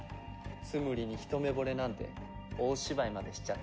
ツムリに一目惚れなんて大芝居までしちゃって。